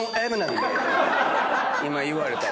今言われたわ。